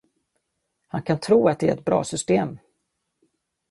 Han kan tro att det är ett bra system!